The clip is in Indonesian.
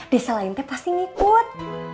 desa lain pasti ngikut